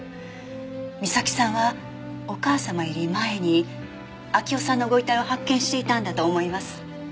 みさきさんはお母様より前に秋生さんのご遺体を発見していたんだと思います。